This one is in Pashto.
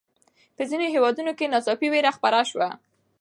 په ځینو هېوادونو کې ناڅاپي ویره خپره شوه.